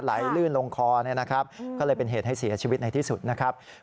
ลื่นลงคอเนี่ยนะครับก็เลยเป็นเหตุให้เสียชีวิตในที่สุดนะครับ